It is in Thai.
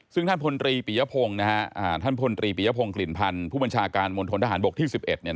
ซึ่งท่านพลตรีปียพงศ์กลิ่นพันธุ์ผู้บัญชาการมณฑนทหารบกที่๑๑